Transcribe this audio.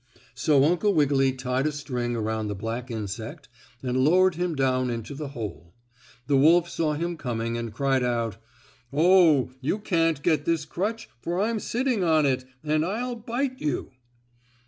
So Uncle Wiggily tied a string around the black insect, and lowered him down into the hole. The wolf saw him coming and cried out: "Oh! You can't get this crutch, for I'm sitting on it, and I'll bite you."